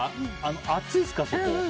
暑いですか、そこ。